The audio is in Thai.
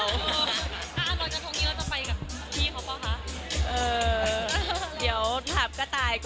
อ่ารอยกระทงนี้แล้วจะไปกับพี่เขาเปล่าคะ